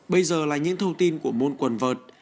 bây giờ là những thông tin của môn quần vợt